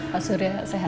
pak surya sehat